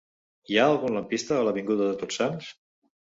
Hi ha algun lampista a l'avinguda de Tots Sants?